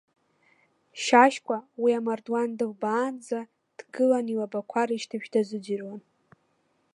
Шьашькәа, уи амардуан дылбаанӡа, дгылан илабақәа рышьҭыбжь дазыӡырҩуан.